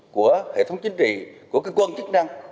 của hệ thống chính trị của cơ quan chức năng